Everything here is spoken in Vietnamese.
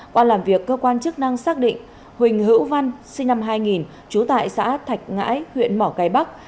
qua làm việc cơ quan chức năng xác định huỳnh hữu văn sinh năm hai nghìn trú tại xã thạch ngãi huyện mỏ cái bắc